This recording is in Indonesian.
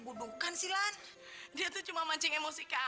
berapapun yang kamu minta